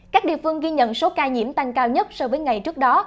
các địa phương ghi nhận số ca nhiễm tăng cao nhất so với ngày trước đó